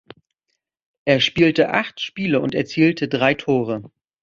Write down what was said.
Er spielte acht Spiele und erzielte drei Tore.